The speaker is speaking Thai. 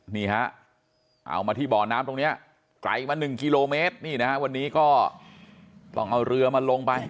นี่ฮะเอามาที่บ่อน้ำตรงนี้ไกลมา๑กิโลเมตรนี่นะฮะวันนี้ก็ต้องเอาเรือมาลงไป